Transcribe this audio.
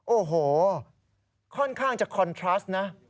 โอ้โหค่อนข้างจะคอนทรัสนะ